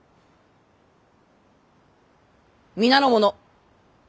皆の者